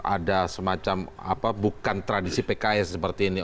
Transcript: ada semacam apa bukan tradisi pks seperti ini